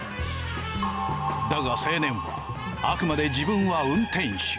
だが青年はあくまで自分は運転手。